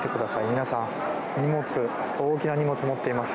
皆さん、大きな荷物を持っています。